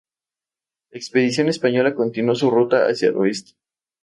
La expedición española continuó su ruta hacia el Oeste.